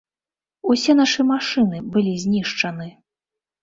Усе нашы машыны былі знішчаны.